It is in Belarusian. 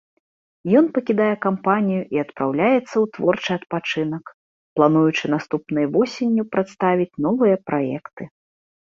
Ён пакідае кампанію і адпраўляецца ў творчы адпачынак, плануючы наступнай восенню прадставіць новыя праекты.